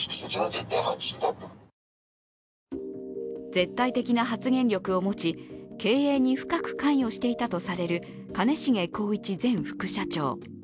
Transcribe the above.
絶対的な発言力を持ち、経営に深く関与していたとされる兼重宏一前副社長。